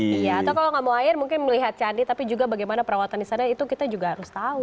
iya atau kalau nggak mau air mungkin melihat candi tapi juga bagaimana perawatan di sana itu kita juga harus tahu